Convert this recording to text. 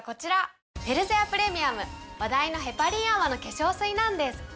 フェルゼアプレミアム話題のヘパリン泡の化粧水なんです。